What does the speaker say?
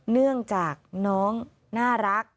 เนื่องจากน้องน่ารัก